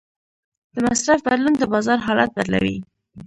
د مصرف بدلون د بازار حالت بدلوي.